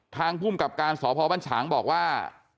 ทางพุ่มกลับการสพบัญชาบอกว่า